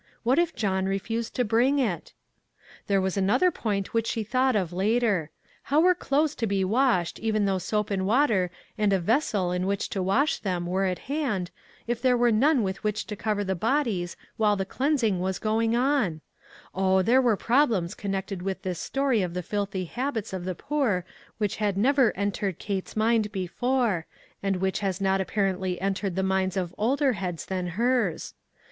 What if John refused to bring it ? There was another point which she thought of later. How were clothes to be washed, even though soap and water and a vessel in which to wash them were at hand, if there were none with which to cover the bodies while the cleansing was going on 1 Oh, there were problems con nected with this story of the filthy habits of the poor which had never entered 1 88 ONE COMMONPLACE DAY. Kate's mind before, and winch has not ap parently entered the minds of older heads than hers.